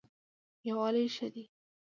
یووالی ښه دی.